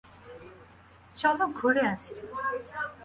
চলো ঘুরে আসি।